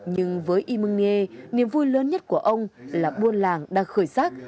nhưng với y mungne niềm vui lớn nhất của ông là buôn làng đang khởi sát